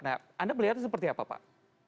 nah anda melihatnya seperti apa pak